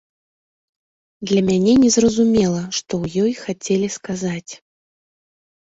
Для мяне незразумела, што ў ёй хацелі сказаць.